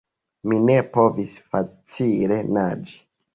Mi ne povis facile naĝi.